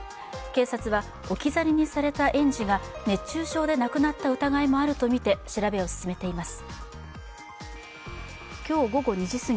警察は置き去りにされた園児が熱中症で亡くなった疑いもあるとみて調べを進めています。